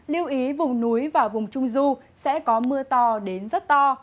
lưu ý vùng núi và vùng trung du sẽ có mưa to đến rất to